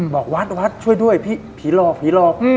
บอกวัดช่วยด้วยพี่ผีหลอก